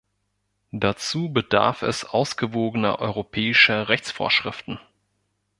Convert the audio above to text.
Dazu bedarf es ausgewogener europäischer Rechtsvorschriften.